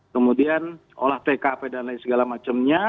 kemudian olah tkp dan lain segala macamnya